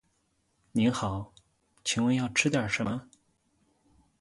您好，请问要吃点什么？